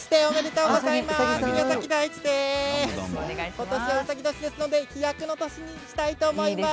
うさぎ年ですので飛躍の年にしたいと思います。